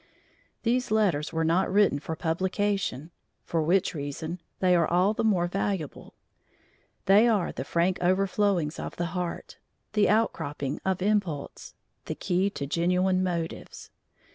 These letters were not written for publication, for which reason they are all the more valuable; they are the frank overflowings of the heart, the outcropping of impulse, the key to genuine motives.